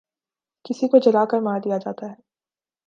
کسی کو جلا کر مار دیا جاتا ہے